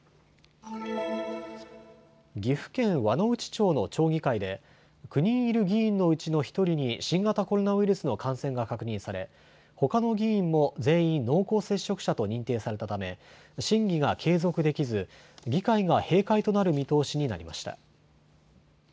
岐阜県輪之内町の町議会で９人いる議員のうちの１人に新型コロナウイルスの感染が確認されほかの議員も全員、濃厚接触者と認定されたため審議が継続できず議会が閉会となる見通しになりました。